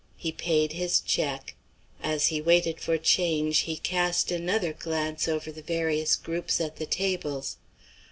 He paid his check. As he waited for change, he cast another glance over the various groups at the tables.